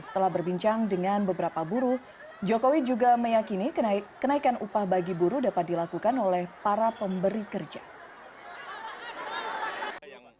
setelah berbincang dengan beberapa buruh jokowi juga meyakini kenaikan upah bagi buruh dapat dilakukan oleh para pemberi kerja